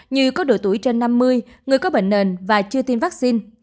như có độ tuổi trên năm mươi người có bệnh nền và chưa tiêm vaccine